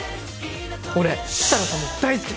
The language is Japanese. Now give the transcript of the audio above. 俺設楽さんも大好きです！